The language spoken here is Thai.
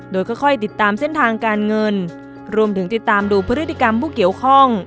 โดยค่อยติดตามเส้นทางการเงินรวมถึงติดตามดูพฤติกรรมผู้เกี่ยวข้อง